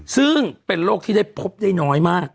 ซึ่งเป็นโรคที่ได้พบได้น้อยมาก